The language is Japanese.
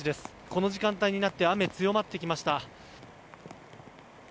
この時間帯になって雨、強まってきました。